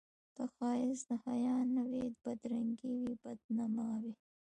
ته ښایست د حیا نه وې بدرنګي وې بد نما وې